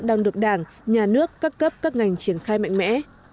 đang được đảng nhà nước các cấp các ngành triển khai mạnh mẽ